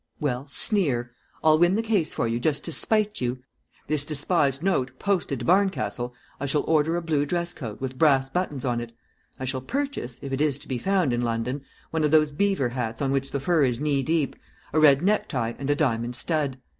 Well, sneer. I'll win the case for you, just to spite you. This despised note posted to Barncastle, I shall order a blue dress coat with brass buttons on it. I shall purchase, if it is to be found in London, one of those beaver hats on which the fur is knee deep, a red necktie, and a diamond stud.